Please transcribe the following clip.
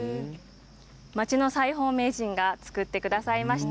町の裁縫名人が作ってくださいました。